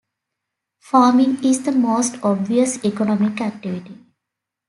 Farming is the most obvious economic activity.